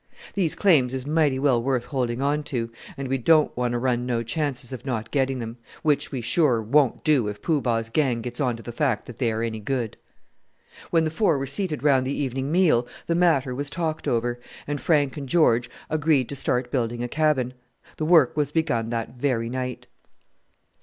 These claims is mighty well worth holding on to, and we don't want to run no chances of not getting them which we, sure, won't do if Poo Bah's gang gets on to the fact that they are any good." When the four were seated round the evening meal the matter was talked over, and Frank and George agreed to start building a cabin. The work was begun that very night.